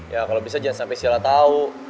ya kalau bisa jangan sampai silah tau